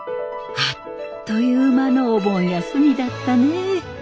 あっという間のお盆休みだったねえ。